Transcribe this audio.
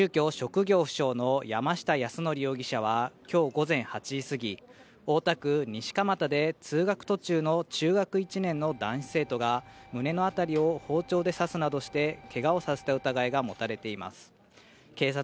住居職業不詳の山下泰範容疑者は今日午前８時すぎ、大田区西蒲田で通学途中の中学１年の男子生徒が胸のあたりを包丁で刺すなどしてけがをさせた疑いが持たれています。